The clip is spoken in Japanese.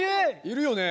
いるよね。